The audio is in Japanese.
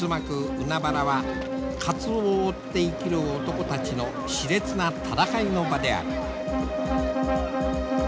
海原はカツオを追って生きる男たちのしれつな戦いの場である。